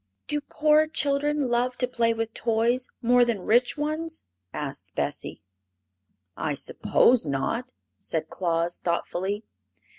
"Do poor children love to play with toys more than rich ones?" asked Bessie. "I suppose not," said Claus, thoughtfully.